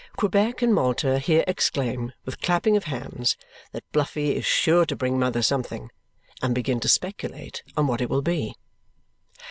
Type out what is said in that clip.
Quebec and Malta here exclaim, with clapping of hands, that Bluffy is sure to bring mother something, and begin to speculate on what it will be.